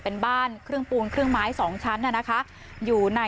เป็นบ้านเครื่องปูงเครื่องไม้สองชั้นภรรณนะคะอยู่ใน